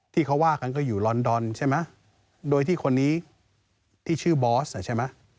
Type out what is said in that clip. ที่เขาว่ากันก็อยู่ลอนดอนใช่ไหมโดยที่คนนี้ที่ชื่อบอสใช่ไหม